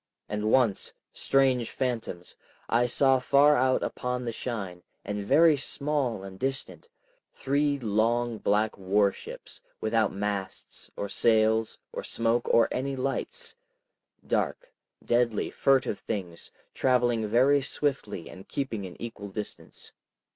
And once—strange phantoms!—I saw far out upon the shine, and very small and distant, three long black warships, without masts, or sails, or smoke, or any lights, dark, deadly, furtive things, traveling very swiftly and keeping an equal distance.